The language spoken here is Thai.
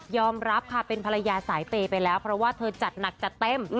รับค่ะเป็นภรรยาสายเปย์ไปแล้วเพราะว่าเธอจัดหนักจัดเต็ม